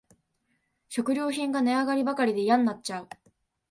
食料品が値上がりばかりでやんなっちゃう